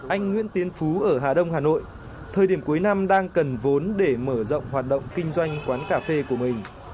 anh nguyễn tiến phú ở hà đông hà nội thời điểm cuối năm đang cần vốn để mở rộng hoạt động kinh doanh quán cà phê của mình